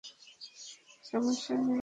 সমস্যা নেই, রাখ।